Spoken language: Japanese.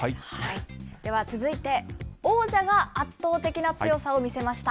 では続いて、王者が圧倒的な強さを見せました。